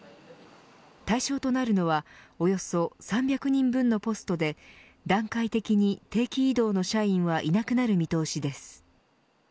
対象となるのは、およそ３００人分のポストで段階的に定期異動の社員はいなくなる見通しです。